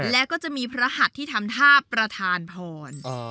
และก็จะมีพระหัดที่ทำท่าประธานพร